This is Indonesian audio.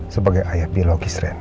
sebagai ayah biologis rena